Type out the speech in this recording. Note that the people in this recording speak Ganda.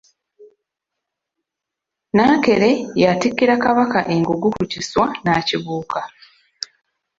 Nankere y'atikkira Kabaka engugu ku kiswa n’akibuuka.